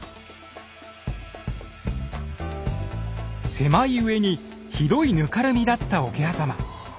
狭いうえにひどいぬかるみだった桶狭間。